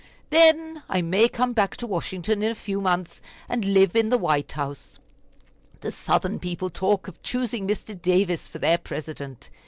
Then, I may come back to Washington in a few months, and live in the White House. The Southern people talk of choosing Mr. Davis for their President.